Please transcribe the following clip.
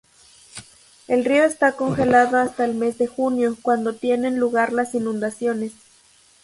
El río está congelado hasta el mes de junio, cuando tienen lugar las inundaciones.